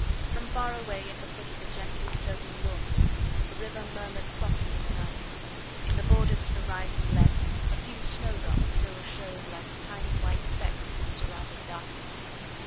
From far away, at the foot of the gently sloping lawns, the river murmured softly in the night; in the borders to the right and left a few snowdrops still showed like tiny white specks through the surrounding darkness.